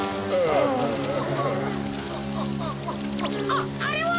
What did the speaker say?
あっあれは！？